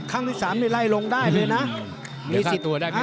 ครั้งที่สามนี่ไล่ลงได้เลยนะ